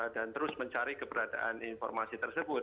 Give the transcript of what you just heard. dan terus mencari keberadaan informasi tersebut